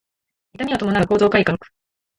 痛みを伴う構造改革